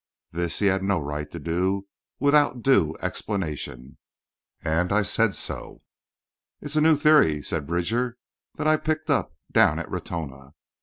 This he had no right to do without due explanation, and I said so. "It's a new theory," said Bridger, "that I picked up down in Ratona.